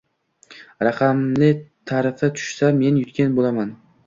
Raqamli tarafi tushsa, men yutgan bo‘laman